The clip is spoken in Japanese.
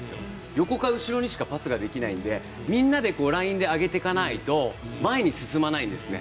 横か後ろにしかパスができないのでみんなでライン上げていかないと前に進まないんですね。